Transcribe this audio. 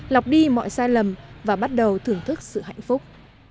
lọc đi mọi sai lầm và bắt đầu thưởng thức sự hạnh phúc